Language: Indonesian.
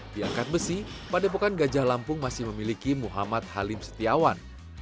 di angkat besi padepokan gajah lampung masih memiliki muhammad halim setiawan